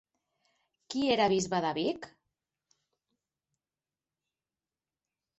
Qui era bisbe de Vic?